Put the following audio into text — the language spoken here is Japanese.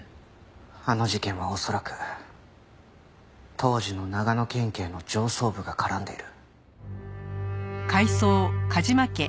あの事件は恐らく当時の長野県警の上層部が絡んでいる。